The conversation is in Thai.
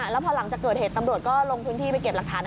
แล้วพอหลังจากเกิดเหตุตำรวจก็ลงพื้นที่ไปเก็บหลักฐาน